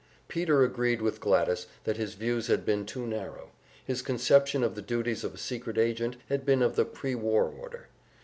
Peter agreed with Gladys that his views had been too narrow; his conception of the duties of a secret agent had been of the pre war order.